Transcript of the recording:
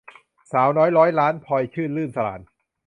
สาวน้อยร้อยล้าน - พลอยชื่น-รื่นสราญ